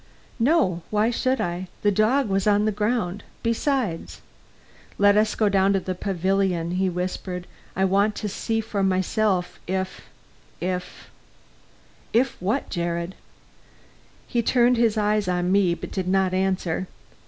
"No; why should I? The dog was on the ground. Besides " "Let us go down to the pavilion," he whispered. "I want to see for myself if if " "If what, Jared?" He turned his eyes on me, but did not answer.